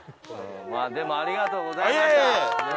でもありがとうございました。